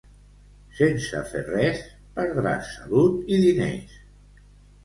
Sense fer res, perdràs salut i diners.